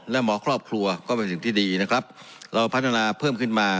และหมอครอบครัวก็เป็นสิ่งที่ดีนะครับเราพัฒนาเพิ่มขึ้นมา